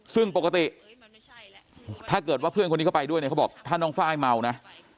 ซึ่งปกติถ้าเกิดว่าเพื่อนคนนี้เข้าไปด้วยเนี่ยเขาบอกถ้าน้องไฟล์เมานะ